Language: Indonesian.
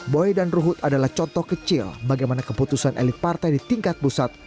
boy dan ruhut adalah contoh kecil bagaimana keputusan elit partai di tingkat pusat